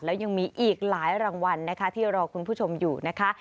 แล้วยังมีอีกหลายรางวัลนะคะที่รอคุณผู้ชมอยู่นะคะ